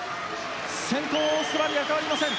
先頭、オーストラリア変わりません。